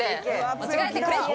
間違えてくれって。